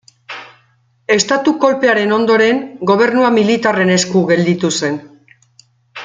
Estatu kolpearen ondoren, gobernua militarren esku gelditu zen.